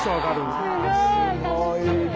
すごいね。